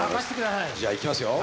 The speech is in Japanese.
じゃあいきますよ。